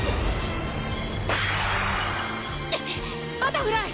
バタフライ！